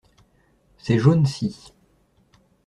Ces jaunes-ci.